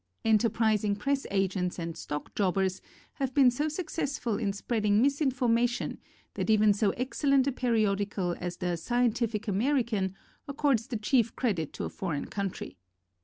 Enterprising press agents and stock jobbers have been so successful in spreading misinformation that even so excellent a periodical as the Scientific American accords the chief credit to a foreign country.